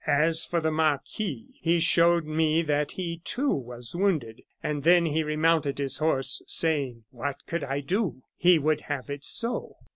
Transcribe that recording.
"As for the marquis, he showed me that he too was wounded, and then he remounted his horse, saying: "'What could I do? He would have it so.